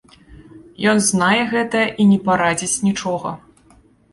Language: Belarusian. Ён знае гэта і не парадзіць нічога.